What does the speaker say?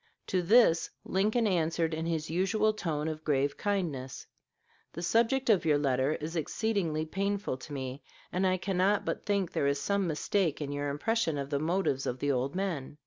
To this Lincoln answered in his usual tone of grave kindness: "The subject of your letter is exceedingly painful to me; and I cannot but think there is some mistake in your impression of the motives of the old men.